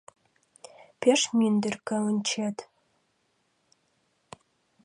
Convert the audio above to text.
— Пеш мӱндыркӧ ончет.